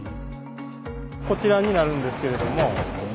こちらになるんですけれども。